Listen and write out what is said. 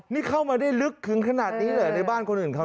นี่เข้ามาได้ลึกถึงขนาดนี้เลยในบ้านคนอื่นเขา